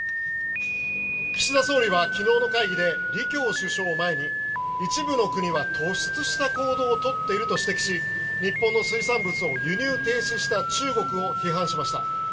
岸田総理は昨日の会議で李強首相を前に一部の国は突出した行動を取っていると指摘し日本の水産物を輸入停止した中国を批判しました。